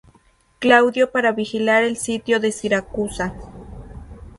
Claudio para vigilar el sitio de Siracusa.